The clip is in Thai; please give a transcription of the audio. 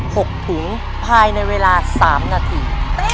หกถุงภายในเวลาสามนาที